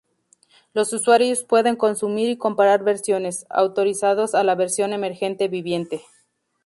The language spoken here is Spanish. Los usuarios pueden consumir y comparar versiones "autorizados" a la versión emergente "viviente".